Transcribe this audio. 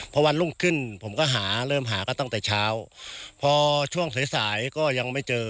พอวันรุ่งขึ้นผมก็หาเริ่มหาก็ตั้งแต่เช้าพอช่วงสายสายก็ยังไม่เจอ